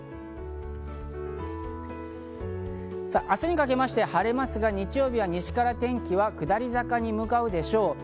明日にかけまして晴れますが日曜日は西から天気は下り坂に向かうでしょう。